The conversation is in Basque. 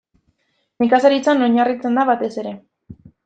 Nekazaritzan oinarritzen da batez ere.